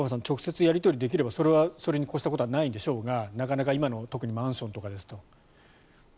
直接やり取りできればそれに越したことはないんでしょうがなかなか今の特にマンションとかですと。